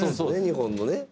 日本のね。